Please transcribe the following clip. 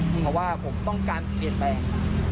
เพราะว่าผมต้องการเปลี่ยนแปลง